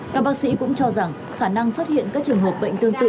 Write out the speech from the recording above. các bác sĩ cũng cho rằng khả năng xuất hiện các trường hợp bệnh tương tự